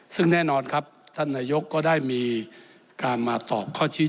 ซึ่งแน่นอนครับท่านนายกก็ได้มีการมาตอบข้อชี้